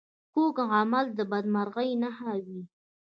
کوږ عمل د بدمرغۍ نښه وي